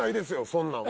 そんなん。